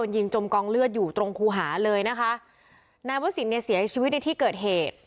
ยิงจมกองเลือดอยู่ตรงคูหาเลยนะคะนายวศิลปเนี่ยเสียชีวิตในที่เกิดเหตุ